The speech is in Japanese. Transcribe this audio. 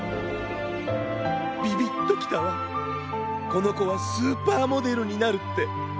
ビビッときたわこのこはスーパーモデルになるって。